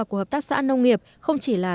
của hợp tác xã nông nghiệp không chỉ là